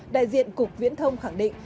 đại diện cục viễn thông khẳng định